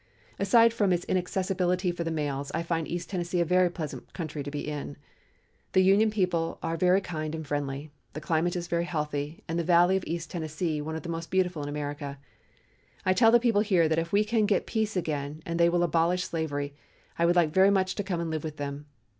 "Aside from its inaccessibility for the mails, I find East Tennessee a very pleasant country to be in. The Union people are very kind and friendly, the climate is very healthy, and the valley of East Tennessee one of the most beautiful in America. I tell the people here that if we can get peace again and they will abolish slavery, I would like very well to come and live with them.